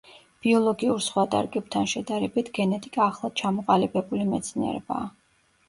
ბიოლოგიურ სხვა დარგებთან შედარებით გენეტიკა ახლად ჩამოყალიბებული მეცნიერებაა.